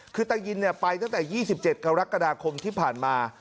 คือตายินไปตั้งแต่๒๗กรกฎาคมที่ผ่านมา